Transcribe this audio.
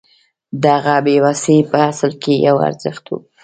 د هغه بې وسي په اصل کې یو ارزښت و